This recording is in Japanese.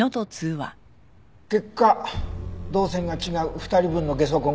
結果動線が違う２人分のゲソ痕が見つかった。